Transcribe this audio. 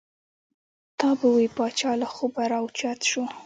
تا به وې پاچا له خوبه را او چت شو.